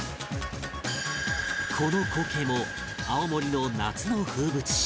この光景も青森の夏の風物詩